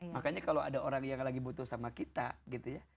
makanya kalo ada orang yang lagi butuh sama kita